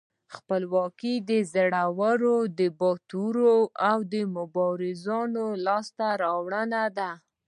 خپلواکي د زړورو، باتورو او مبارزانو لاسته راوړنه ده.